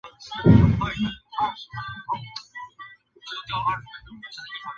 在煌因为知道自己的身世感到难过和痛苦时认同了煌的存在。